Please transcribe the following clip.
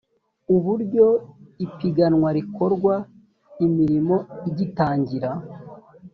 uburyo ipiganwa rikorwa imirimo igitangira